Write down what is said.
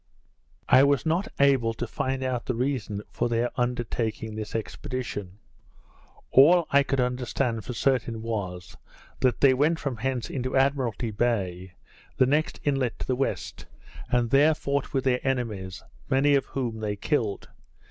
I was not able to find out the reason for their undertaking this expedition; all I could understand for certain was, that they went from hence into Admiralty Bay (the next inlet to the west), and there fought with their enemies, many of whom they killed.